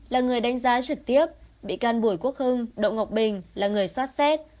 là người đánh giá trực tiếp mỹ can bùi quốc hưng đậu ngọc bình là người soát xét